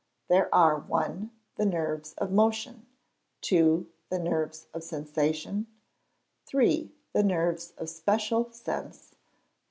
_ There are: 1. The nerves of motion. 2. The nerves of sensation. 3. The nerves of special sense. 4.